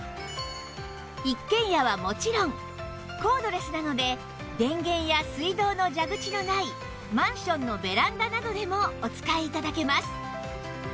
一軒家はもちろんコードレスなので電源や水道の蛇口のないマンションのベランダなどでもお使い頂けます